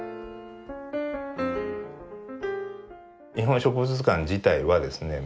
「日本植物図鑑」自体はですね